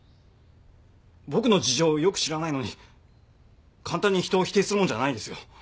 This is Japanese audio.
僕の事情をよく知らないのに簡単に人を否定するもんじゃないですよ。